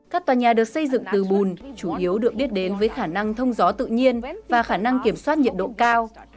các tòa nhà được xây dựng từ bùn chủ yếu được biết đến với khả năng thông gió tự nhiên và khả năng kiểm soát nhiệt độ cao